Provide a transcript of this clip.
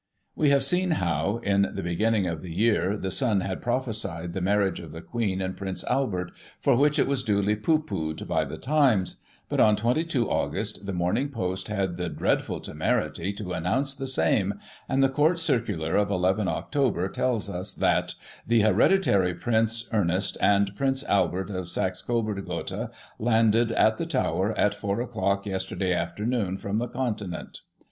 We have seen how, in the beginning of the year, the Sun had prophesied the marriage of the Queen and Prince Albert, for which it was duly pooh poohed by the Times — ^but on 22 Aug., the Morning Post had the dreadful temerity to an nounce the same — ^and the Court Circular of 11 Oct. tells us, that *' The Hereditary Prince (Ernest) and Prince Albert of Saxe Coburg Gotha, landed at fhe Tower, at 4 o'clock yesterday afternoon, from the Continent.